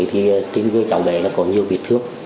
thì tên với cháu bé là có nhiều việc thước